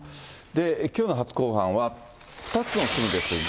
きょうの初公判は２つの罪ですが。